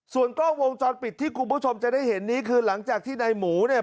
ส่วนกล้องวงจรปิดที่คุณผู้ชมจะได้เห็นนี้คือหลังจากที่ในหมูเนี่ย